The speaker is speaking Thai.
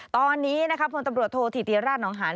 ตอนนี้นะครับพนตรโทษธิเตียร์ราชนำหาร